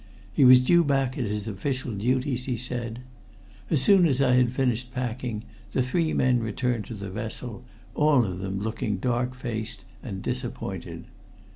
He was due back at his official duties, he said. As soon as I had finished packing, the three men returned to the vessel, all of them looking dark faced and disappointed.